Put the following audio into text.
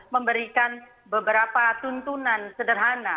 memberikan beberapa tuntunan sederhana